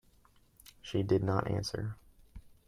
She did not answer.